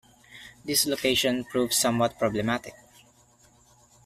This location proved somewhat problematic.